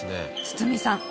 堤さん